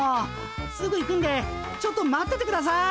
すぐ行くんでちょっと待っててください。